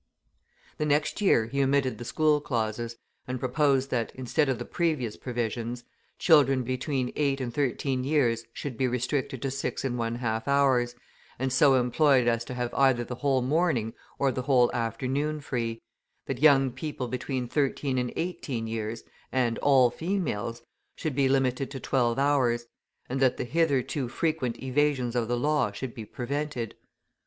The next year he omitted the school clauses, and proposed that, instead of the previous provisions, children between eight and thirteen years should be restricted to six and one half hours, and so employed as to have either the whole morning or the whole afternoon free; that young people between thirteen and eighteen years, and all females, should be limited to twelve hours; and that the hitherto frequent evasions of the law should be prevented.